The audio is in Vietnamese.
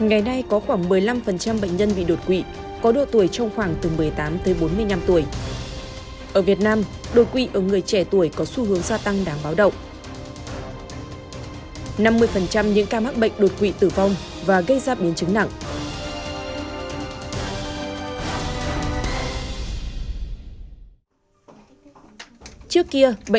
hãy đăng ký kênh để ủng hộ kênh của chúng mình nhé